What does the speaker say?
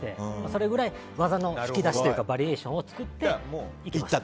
それぐらい技の引き出しとかバリエーションを作っていった。